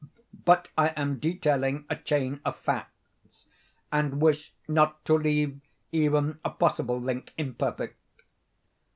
But I am detailing a chain of facts—and wish not to leave even a possible link imperfect.